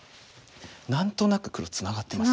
何となく黒ツナがってますよね。